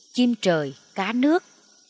chim trời cá nước